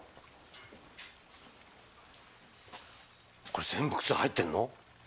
これ全部靴入ってんの？